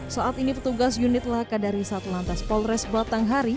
saat ini petugas unit laka dari satlantas polres batanghari